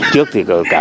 trước thì có cả